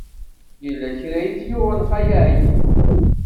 Yella kra i t-yuɣen Xali Ɛli.